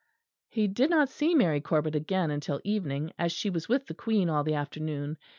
He did not see Mary Corbet again until evening as she was with the Queen all the afternoon.